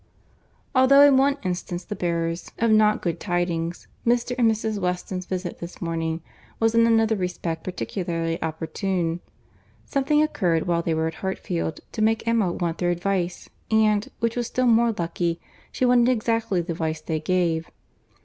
Although in one instance the bearers of not good tidings, Mr. and Mrs. Weston's visit this morning was in another respect particularly opportune. Something occurred while they were at Hartfield, to make Emma want their advice; and, which was still more lucky, she wanted exactly the advice they gave.